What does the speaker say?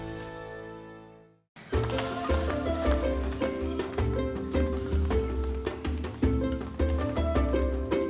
saya sudah berusaha untuk mencari atlet